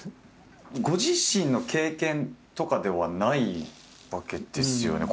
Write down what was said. ご自身の経験とかではないわけですよね？